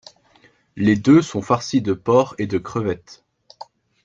Les deux sont farcis de porc et de crevettes.